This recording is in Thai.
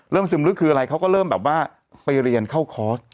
ซึมลึกคืออะไรเขาก็เริ่มแบบว่าไปเรียนเข้าคอร์ส